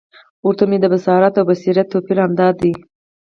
ورته ومي د بصارت او بصیرت توپیر همد دادی،